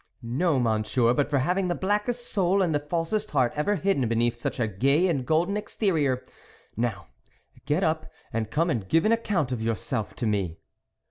" No, Monsieur, but for having the blackest soul and the falsest heart ever hidden beneath such a gay and golden exterior. Now, get up, and come and give an account of yourself to me."